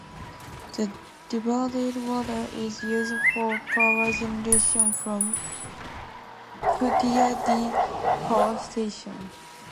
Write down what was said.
The diverted water is used for power generation from Kuttiyadi Power Station.